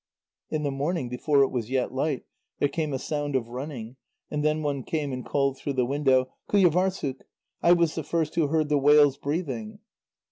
In the morning, before it was yet light, there came a sound of running, and then one came and called through the window: "Qujâvârssuk! I was the first who heard the whales breathing."